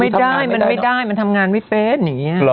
ไม่ได้มันไม่ได้มันทำงานไม่เป็น